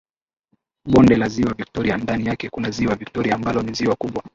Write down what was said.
Bonde la Ziwa Victoria ndani yake kuna Ziwa Victoria ambalo ni ziwa kubwa